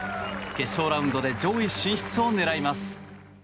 決勝ラウンドで上位進出を狙います。